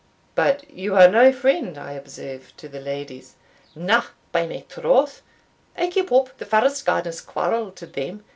"But you are no friend, I observe, to the ladies." "Na, by my troth, I keep up the first gardener's quarrel to them.